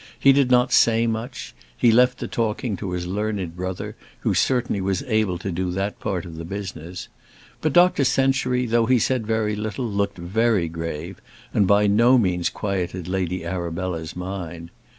He did not say much; he left the talking to his learned brother, who certainly was able to do that part of the business. But Dr Century, though he said very little, looked very grave, and by no means quieted Lady Arabella's mind.